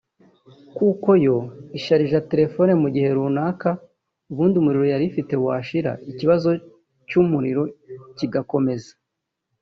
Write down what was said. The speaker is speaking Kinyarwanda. kuko yo isharija telefoni mu gihe runaka ubundi umuriro yari ifite washira ikibazo cy’umuriro kigakomeza